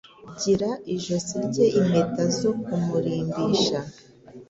Gira ijosi rye impeta zo kumurimbisha